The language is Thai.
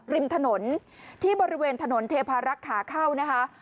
ริมถนนที่บริเวณถนนเทพารักษ์ขาเข้านะคะ